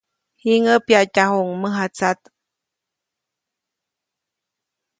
Jiŋäʼ pyaʼtyajuʼuŋ mäjatsat.